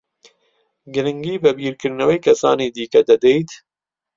گرنگی بە بیرکردنەوەی کەسانی دیکە دەدەیت؟